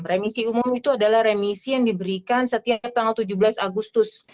remisi umum itu adalah remisi yang diberikan setiap tanggal tujuh belas agustus